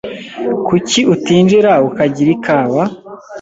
Kuki utinjira ukagira ikawa?